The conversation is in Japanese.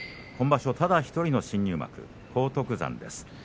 今場所ただ１人の新入幕荒篤山です。